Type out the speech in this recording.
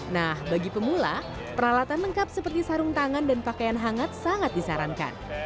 nah bagi pemula peralatan lengkap seperti sarung tangan dan pakaian hangat sangat disarankan